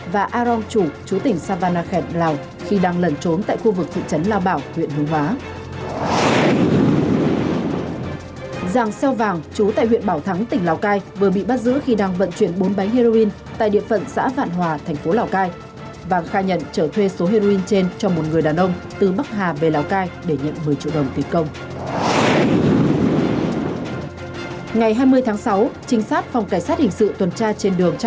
và arong chủ chú tỉnh savannakhet lào khi đang lẩn trốn tại khu vực thị trấn lào bảo huyện hương hóa